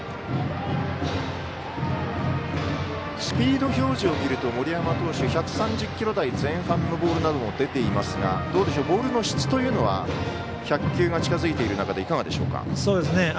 スピード表示を見ると森山投手１３０キロ台前半のボールなども出ていますがボールの質というのは１００球が近づいている中でいかがでしょうか？